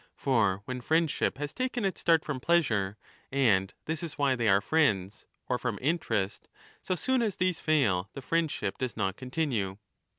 For when friendship has taken its start from pleasure, and this is why they are friends, or from interest, so soon as these fail the friendship does not continue.